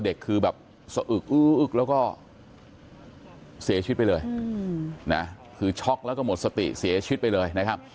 เด็กคือแบบสะอึกอื้ออึกแล้วก็เสียชีวิตไปเลยนะคือช็อกแล้วก็หมดสติเสียชีวิตไปเลยนะครับ